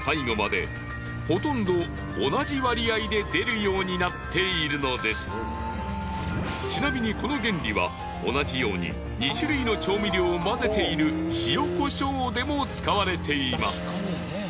こうして同じ粒としてちなみにこの原理は同じように２種類の調味料を混ぜている塩コショウでも使われています。